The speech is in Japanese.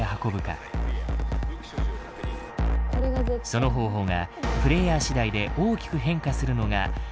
その方法がプレイヤーしだいで大きく変化するのが本作のおもしろさだ。